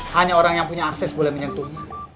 hanya orang yang punya akses boleh menyentuhnya